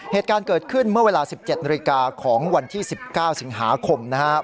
เหตุการณ์เกิดขึ้นเมื่อเวลา๑๗นาฬิกาของวันที่๑๙สิงหาคมนะครับ